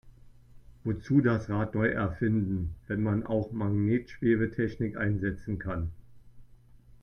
Wozu das Rad neu erfinden, wenn man auch Magnetschwebetechnik einsetzen kann?